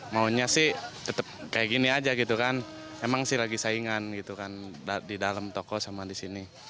maunya sih tetap kayak gini aja gitu kan emang sih lagi saingan gitu kan di dalam toko sama di sini